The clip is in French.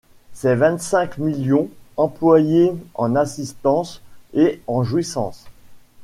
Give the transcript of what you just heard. Ces vingt-cinq millions, employés en assistance et en jouissance